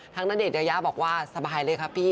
ทั้งด้านเดชยาย่าบอกว่าสบายเลยค่ะพี่